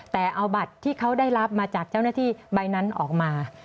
แต่เอาบัตรที่เขาได้รับมาจากเจ้าหน้าที่ใบนั้นออกมา